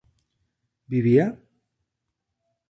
¿vivía?